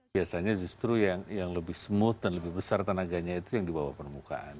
biasanya justru yang lebih smooth dan lebih besar tenaganya itu yang di bawah permukaan